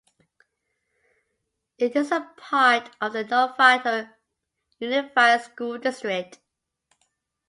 It is a part of the Novato Unified School District.